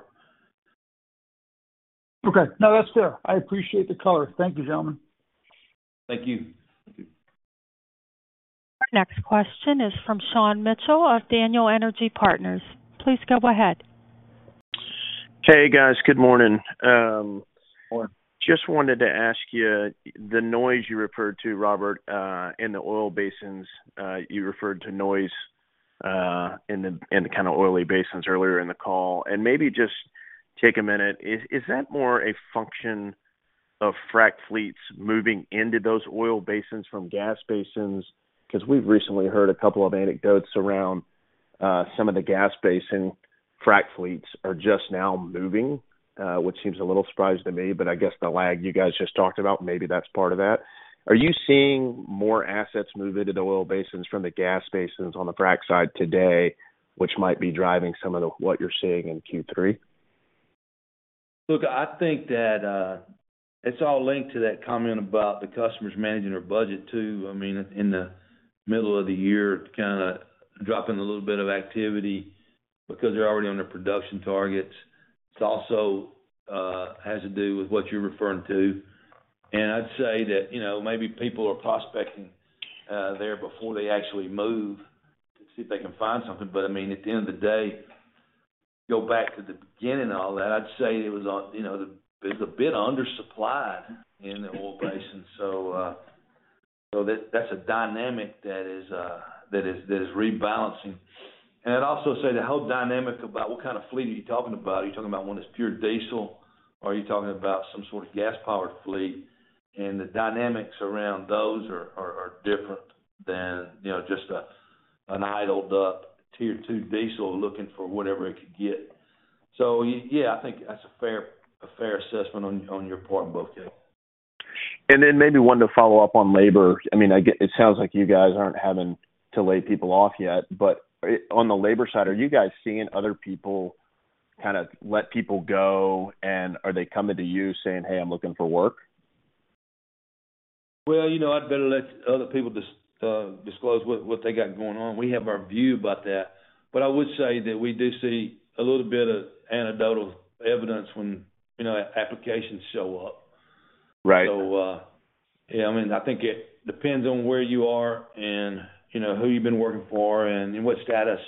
I: Okay. No, that's fair. I appreciate the color. Thank you, gentlemen.
C: Thank you.
D: Thank you.
A: Our next question is from Sean Mitchell of Daniel Energy Partners. Please go ahead.
J: Hey, guys. Good morning.
C: Good morning.
J: Just wanted to ask you, the noise you referred to, Robert, in the oil basins, you referred to noise, in the kind of oily basins earlier in the call. Maybe just take a minute, is that more a function of frac fleets moving into those oil basins from gas basins? We've recently heard a couple of anecdotes around, some of the gas basin frac fleets are just now moving, which seems a little surprise to me, but I guess the lag you guys just talked about, maybe that's part of that. Are you seeing more assets move into the oil basins from the gas basins on the frac side today, which might be driving some of the, what you're seeing in Q3?
C: Look, I think that, it's all linked to that comment about the customers managing their budget, too. I mean, in the middle of the year, kinda dropping a little bit of activity because they're already under production targets. It's also has to do with what you're referring to. I'd say that, you know, maybe people are prospecting, there before they actually move to see if they can find something. I mean, at the end of the day, go back to the beginning of all that, I'd say it was on, you know, it's a bit undersupplied in the oil basin. That, that's a dynamic that is rebalancing. I'd also say the whole dynamic about what kind of fleet are you talking about? Are you talking about one that's pure diesel, or are you talking about some sort of gas-powered fleet? The dynamics around those are different than, you know, just an idled up tier two diesel looking for whatever it could get. Yeah, I think that's a fair assessment on your part, both, yeah.
J: Maybe one to follow up on labor. I mean, it sounds like you guys aren't having to lay people off yet, but on the labor side, are you guys seeing other people kind of let go, and are they coming to you saying: "Hey, I'm looking for work?"
C: Well, you know, I'd better let other people disclose what they got going on. We have our view about that. I would say that we do see a little bit of anecdotal evidence when, you know, applications show up.
J: Right.
C: Yeah, I mean, I think it depends on where you are and, you know, who you've been working for, and in what status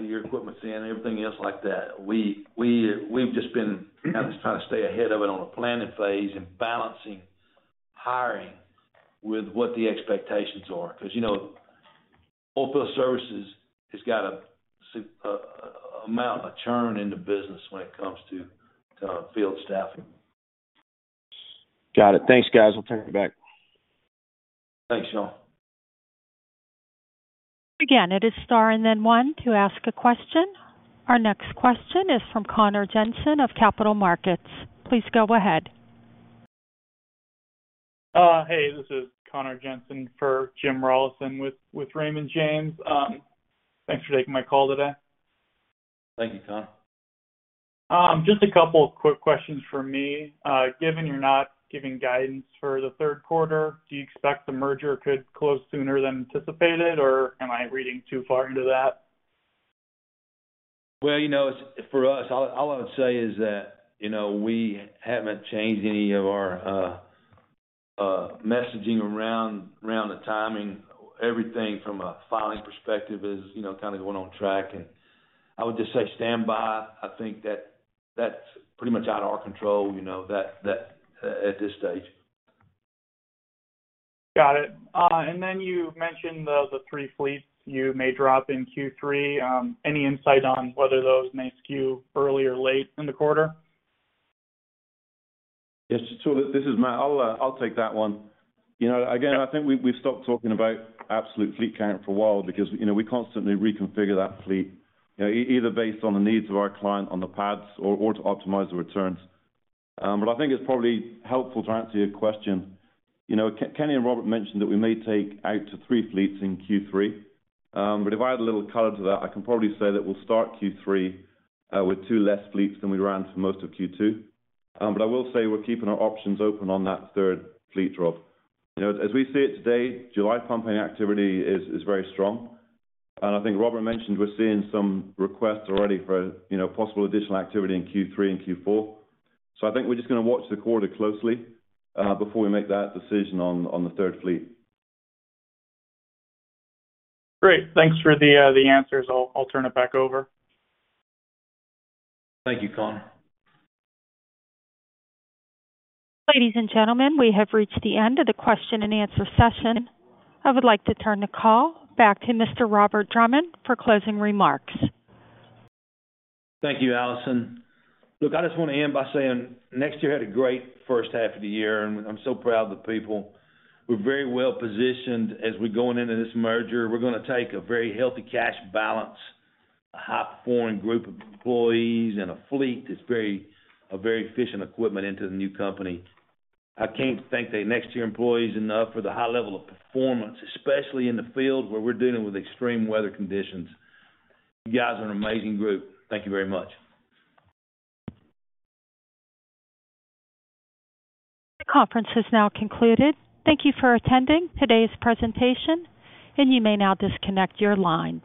C: your equipment's in, and everything else like that. We've just been just trying to stay ahead of it on a planning phase and balancing hiring with what the expectations are. 'Cause, you know, oilfield services has got a amount of churn in the business when it comes to field staffing.
J: Got it. Thanks, guys. I'll turn it back.
C: Thanks, y'all.
A: It is star and then one to ask a question. Our next question is from Connor Jensen of Capital Markets. Please go ahead.
K: Hey, this is Connor Jensen for Jim Rollyson with Raymond James. Thanks for taking my call today.
C: Thank you, Connor.
K: Just a couple of quick questions from me. Given you're not giving guidance for the third quarter, do you expect the merger could close sooner than anticipated, or am I reading too far into that?
C: Well, you know, for us, all I would say is that, you know, we haven't changed any of our messaging around the timing. Everything from a filing perspective is, you know, kind of going on track. I would just say stand by. I think that that's pretty much out of our control, you know, that at this stage.
K: Got it. Then you mentioned the three fleets you may drop in Q3. Any insight on whether those may skew early or late in the quarter?
D: Yes. This is Matt Gillard. I'll take that one. You know, again, I think we've stopped talking about absolute fleet count for a while because, you know, we constantly reconfigure that fleet, you know, either based on the needs of our client on the pads or to optimize the returns. I think it's probably helpful to answer your question. You know, Kenny Pucheu and Robert Drummond mentioned that we may take out to three fleets in Q3, if I add a little color to that, I can probably say that we'll start Q3 with 2 less fleets than we ran for most of Q2. I will say, we're keeping our options open on that third fleet drop. You know, as we see it today, July pumping activity is very strong, and I think Robert mentioned we're seeing some requests already for, you know, possible additional activity in Q3 and Q4. I think we're just going to watch the quarter closely before we make that decision on the third fleet.
K: Great. Thanks for the answers. I'll turn it back over.
C: Thank you, Connor.
A: Ladies and gentlemen, we have reached the end of the question and answer session. I would like to turn the call back to Mr. Robert Drummond for closing remarks.
C: Thank you, Allison. Look, I just want to end by saying NexTier had a great first half of the year, and I'm so proud of the people. We're very well positioned as we're going into this merger. We're going to take a very healthy cash balance, a high-performing group of employees, and a fleet that's a very efficient equipment into the new company. I can't thank the NexTier employees enough for the high level of performance, especially in the field where we're dealing with extreme weather conditions. You guys are an amazing group. Thank you very much.
A: The conference has now concluded. Thank you for attending today's presentation, and you may now disconnect your lines.